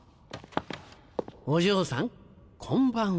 お嬢さんこんばんは。